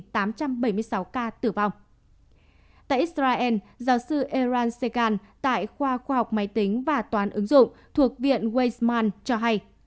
tại israel giáo sư eran sekan tại khoa khoa học máy tính và toán ứng dụng thuộc viện waysman cho hay